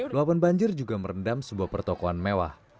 luapan banjir juga merendam sebuah pertokohan mewah